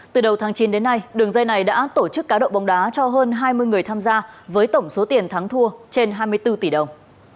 từ đầu tháng chín đến nay đường dây này đã tổ chức cá độ bóng đá cho hơn hai mươi người tham gia với tổng số tiền thắng thua trên hai mươi bốn tỷ đồng